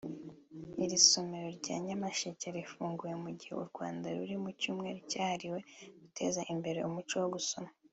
Iri somero rya Nyamasheke rifunguwe mu gihe u Rwanda ruri mu Cyumweru cyahariwe guteza imbere umuco wo gusoma